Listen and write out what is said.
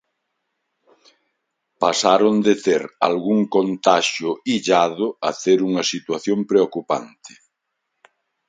Pasaron de ter algún contaxio illado a ter unha situación preocupante.